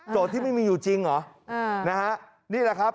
โจทย์ที่ไม่มีอยู่จริงเหรอนี่แหละครับ